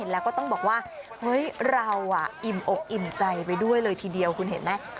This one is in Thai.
แล้วก็ต้องบอกว่าเฮ้ยเราอิ่มอกอิ่มใจไปด้วยเลยทีเดียวคุณเห็นไหม